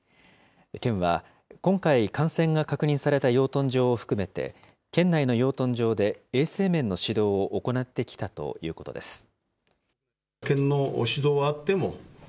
県は今回、感染が確認された養豚場を含めて、県内の養豚場で衛生面の指導を行ってきたということです。